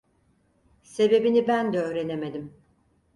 Sebebini ben de öğrenemedim.